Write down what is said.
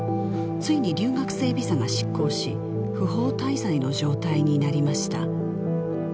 ついに留学生ビザが失効し不法滞在の状態になりました